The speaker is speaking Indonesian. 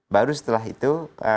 baru setelah itu